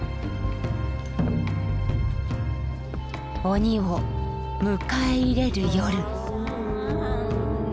鬼を迎え入れる夜。